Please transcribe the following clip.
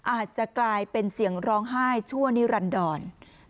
อาจจะกลายเป็นเสียงร้องไห้ชั่วนิรันดร